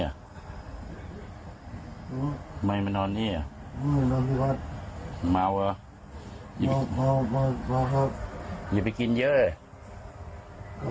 ทำไมมานอนนี่มาวเหรอมาวครับอย่าไปกินเยอะ